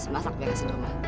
masak biar kasih rumah